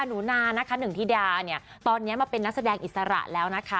หนูนานะคะหนึ่งธิดาเนี่ยตอนนี้มาเป็นนักแสดงอิสระแล้วนะคะ